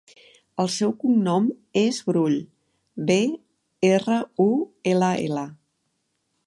El seu cognom és Brull: be, erra, u, ela, ela.